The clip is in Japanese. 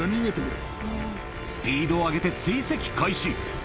スピードを上げて追跡開始